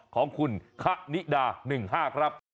ของคุณคะนิดา๑๕ครับ